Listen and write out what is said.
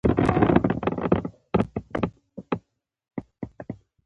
پاتې ورځې به یې خپلو ځمکو ته ځانګړې کولې.